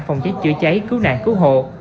phòng cháy chữa cháy cứu nạn cứu hộ